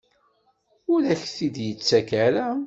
Ur ak-t-id-yettak ara?